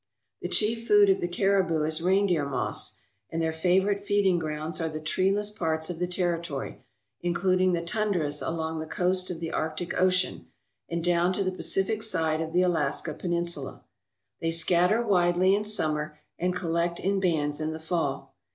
The chief food of the caribou is reindeer moss, and their favourite feeding grounds are the treeless parts of the territory, including the tundras along the coast of the Arctic Ocean, and down to the Pacific side of the Alaska Peninsula. They scatter widely in summer and collect in bands in the fall.